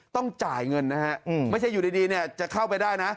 ต้องจ่ายเงินนะฮะไม่ใช่อยู่ดีเนี่ยจะเข้าไปได้นะ